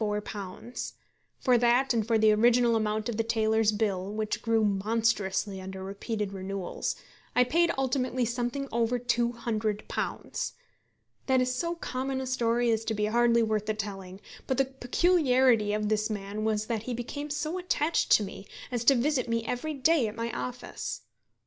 For that and for the original amount of the tailor's bill, which grew monstrously under repeated renewals, I paid ultimately something over £200. That is so common a story as to be hardly worth the telling; but the peculiarity of this man was that he became so attached to me as to visit me every day at my office.